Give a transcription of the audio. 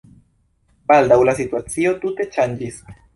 Baldaŭ la situacio tute ŝanĝis.